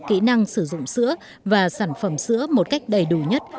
kỹ năng sử dụng sữa và sản phẩm sữa một cách đầy đủ nhất